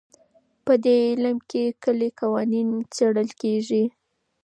په دې علم کې کلي قوانین څېړل کېږي.